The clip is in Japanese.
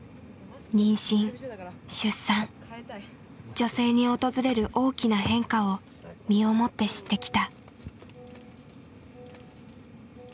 女性に訪れる大きな変化を身をもって知ってきた。